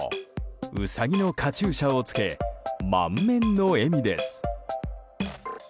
ウサギのカチューシャを着け満面の笑みです。